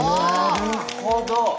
なるほど。